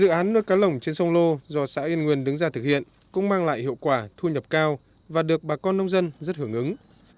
dự án nuôi cá lồng trên sông lô do xã yên nguyên đứng ra thực hiện cũng mang lại hiệu quả thu nhập cao và được bà con nông dân rất hưởng ứng